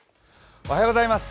おはようございます。